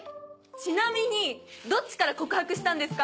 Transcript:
ちなみにどっちから告白したんですか？